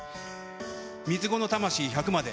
三つ子の魂１００まで。